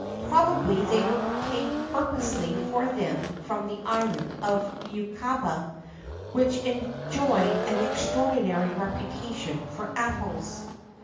[XIII 21] Probably they were obtained purposely for them from the island of Eubœa, which enjoyed an extraordinary reputation for apples.